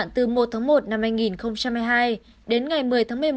tổng cộng cả hai giai đoạn từ một một hai nghìn một mươi hai